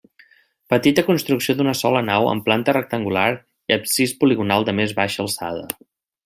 Petita construcció d'una sola nau amb planta rectangular i absis poligonal de més baixa alçada.